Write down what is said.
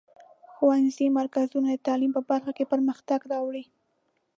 ښوونیز مرکزونه د تعلیم په برخه کې پرمختګ راولي.